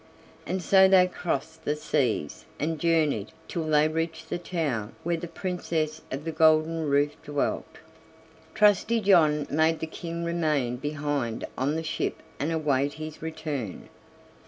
And so they crossed the seas and journeyed till they reached the town where the Princess of the Golden Roof dwelt. Trusty John made the King remain behind on the ship and await his return.